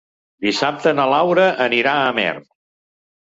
Dissabte na Laura anirà a Amer.